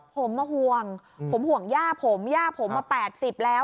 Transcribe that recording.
ผมมาห่วงผมห่วงย่าผมย่าผมมา๘๐แล้ว